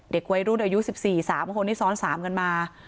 เด็กวัยรุ่นอายุสิบสี่สามคนที่ซ้อนสามกันมา